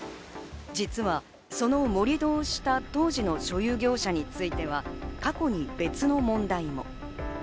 実はその盛り土をした当時の所有業者については、過去に別の問題も。